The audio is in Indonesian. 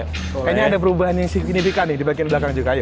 kayaknya ada perubahan yang signifikan nih di bagian belakang juga aja